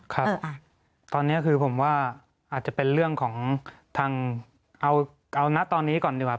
ครับตอนนี้คือผมว่าอาจจะเป็นเรื่องของทางเอานะตอนนี้ก่อนดีกว่า